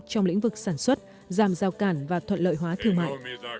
trong lĩnh vực sản xuất giảm giao cản và thuận lợi hóa thương mại